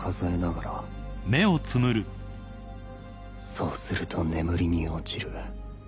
そうすると眠りに落ちる